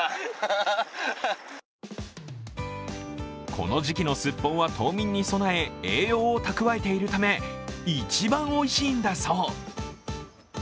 この時期のすっぽんは冬眠に備え栄養を蓄えているため一番おいしいんだそう。